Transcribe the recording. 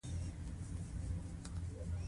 ښه چلند د انسان شخصیت لوړوي.